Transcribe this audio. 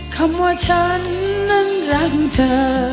คำว่าฉันนั้นรักเธอ